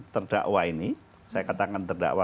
terdakwa ini saya katakan terdakwa